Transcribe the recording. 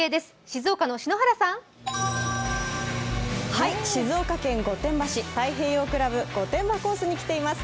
静岡県御殿場市太平洋クラブ御殿場コースに来ています。